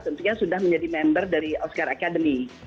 tentunya sudah menjadi member dari oscar academy